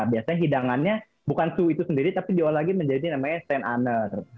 biasanya hidangannya bukan sus itu sendiri tapi jauh lagi menjadi namanya st anne